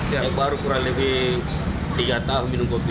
ya baru kurang lebih tiga tahun minum kopi